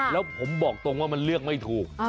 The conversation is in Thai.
แล้วผมบอกตรงว่ามันเลือกไม่ถูก